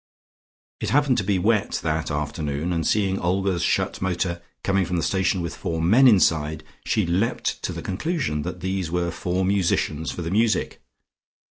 It happened to be wet that afternoon, and seeing Olga's shut motor coming from the station with four men inside, she leaped to the conclusion that these were four musicians for the music.